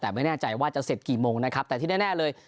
แต่ไม่แน่ใจว่าจะเสร็จกี่โมงนะครับแต่ที่แน่เลย